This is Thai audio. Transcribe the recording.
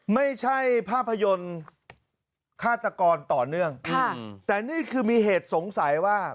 ไม่ใช่ภาพยนตร์ฆาตกรต่อเนื่องแต่นี่คือมีเหตุสงสัยว่า